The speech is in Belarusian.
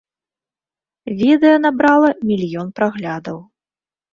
Відэа набрала мільён праглядаў.